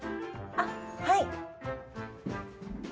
あっ、はい。